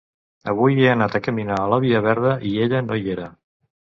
Avui he anat a caminar a la via verda i ella no hi era